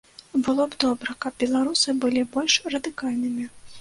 Было б добра, каб беларусы былі больш радыкальнымі.